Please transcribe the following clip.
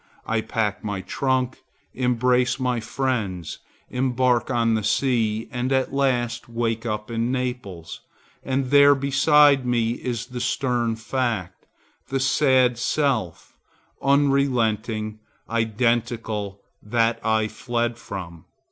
I pack my trunk, embrace my friends, embark on the sea and at last wake up in Naples, and there beside me is the stern fact, the sad self, unrelenting, identical, that I fled from.